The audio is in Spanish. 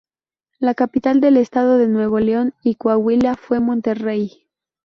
La Capital del Estado de Nuevo León y Coahuila fue Monterrey.